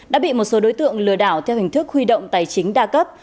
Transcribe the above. đã bị một số đối tượng lừa đảo theo hình thức huy động tài chính đa cấp